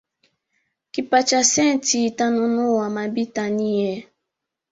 Nkipacha senthi thanunuva mabita niyee